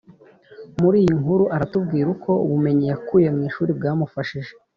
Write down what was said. Muri iyi nkuru aratubwira uko Ubumenyi yakuye mu ishuri bwamufashije